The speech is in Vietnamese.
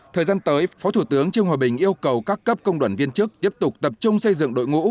thời gian tới phó thủ tướng trương hòa bình yêu cầu các cấp công đoàn viên chức tiếp tục tập trung xây dựng đội ngũ